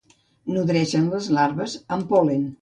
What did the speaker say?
Nodreixen les larves amb pol·len.